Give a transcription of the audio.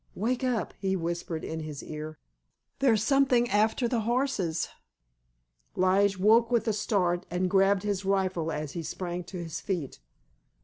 "Wake up," he whispered in his ear, "there's something after the horses!" Lige woke with a start, and grabbed his rifle as he sprang to his feet.